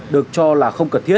được cho là tước bằng lái xe